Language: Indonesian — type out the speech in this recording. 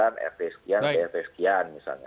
rt sekian atau rt sekian misalnya